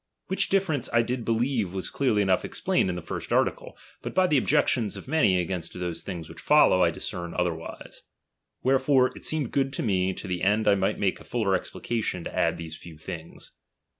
Which difference I did believe was clearly enough explained in the first article ; but by the objections of many against those things which follow, I discern otherwise. Wherefore it seemed good to me, to the end I might make a fuller explication, to add these few things.